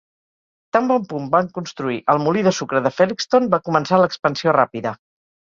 Tan bon punt van construir el molí de sucre de Felixton, va començar l'expansió ràpida.